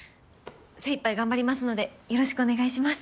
精いっぱい頑張りますのでよろしくお願いします。